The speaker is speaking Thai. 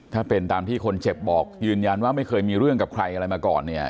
ถ้าเป็นตามที่คนเจ็บบอกยืนยันว่าไม่เคยมีเรื่องกับใครอะไรมาก่อนเนี่ย